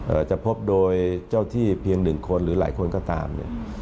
จะพบโดยเจ้าที่เพียงหนึ่งคนหรือหลายคนก็ตามเนี่ย